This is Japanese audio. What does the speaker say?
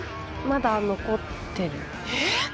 まだ残ってるえっ！